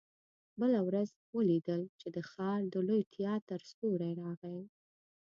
بله ورځ مې ولیدل چې د ښار د لوی تياتر ستورى راغی.